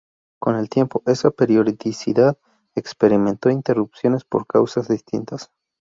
Con el tiempo, esa periodicidad experimentó interrupciones por causas distintas.